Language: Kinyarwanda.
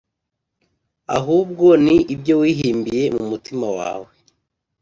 ahubwo ni ibyo wihimbiye mu mutima wawe.